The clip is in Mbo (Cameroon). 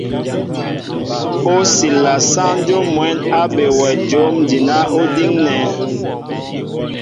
Ó siǹla sáŋ dyów mwɛ̌n á be wɛ jǒm jinán ó díŋnɛ.